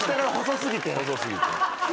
細過ぎて。